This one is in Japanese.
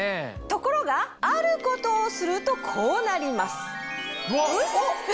ところがあることをするとこうなります。